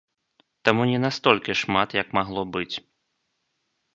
Таму не настолькі шмат, як магло быць.